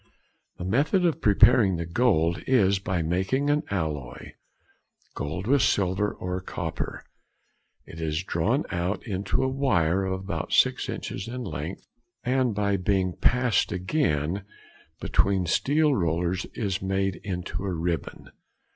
The method of preparing the gold is by making an alloy: gold with silver or copper. It is drawn out into a wire of about six inches in length, and by being passed again between steel rollers is made into a ribbon.